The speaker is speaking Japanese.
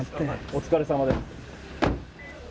お疲れさまです。